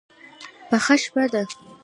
پخه شپه ده.